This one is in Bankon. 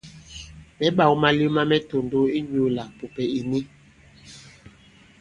Mɛ̌ ɓāw malew ma mɛ tòndow inyūlā pùpɛ̀ ì ni.